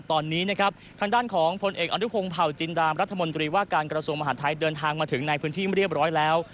ตอนนี้นะครับทางด้านของผลเอกอนุพงศ์เผาจินดามรัฐมนตรีว่าการกระทรวงมหาดไทยเดินทางมาถึงในพื้นที่เรียบร้อยแล้ว